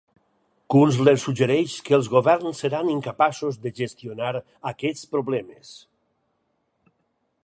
Kunstler suggereix que els governs seran incapaços de gestionar aquests problemes.